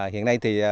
hiện nay thì